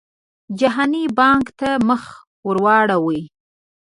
جهاني بانک ته مخ ورواړوي.